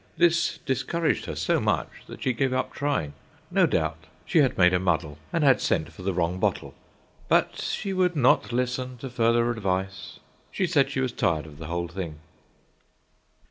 This discouraged her so much that she gave up trying. No doubt she had made a muddle and had sent for the wrong bottle, but she would not listen to further advice. She said she was tired of the whole thing.